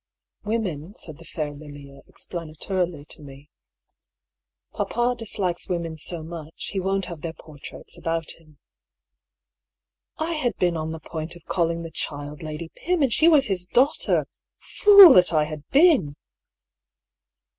" Women," said the fair Lilia explanatorily to me. " Papa dislikes women so much, he won't have their portraits about him." I had been on the point of calling the child Lady Pym, and she was his daughter! Fool that I had been!